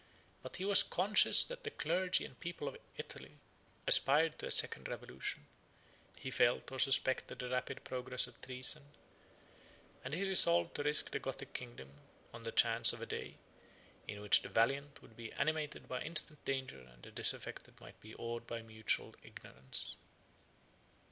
But he was conscious that the clergy and people of Italy aspired to a second revolution: he felt or suspected the rapid progress of treason; and he resolved to risk the Gothic kingdom on the chance of a day, in which the valiant would be animated by instant danger and the disaffected might be awed by mutual ignorance.